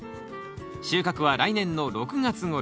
収穫は来年の６月頃。